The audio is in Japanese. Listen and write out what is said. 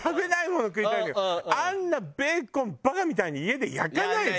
あんなベーコンバカみたいに家で焼かないじゃん。